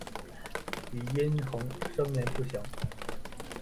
李殷衡生年不详。